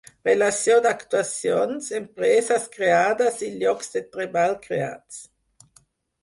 Relació d'actuacions, empreses creades i llocs de treball creats.